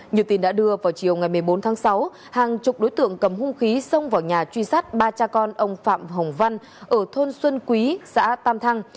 như tin đã đưa vào chiều ngày một mươi bốn tháng sáu hàng chục đối tượng cầm hung khí xông vào nhà truy sát ba cha con ông phạm hồng văn ở thôn xuân quý xã tam thăng